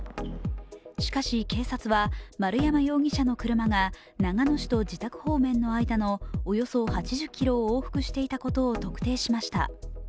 しかし警察は、丸山容疑者の車が長野市と自宅方面の間のおよそ８０ｋｍを往復していたことを特定しました。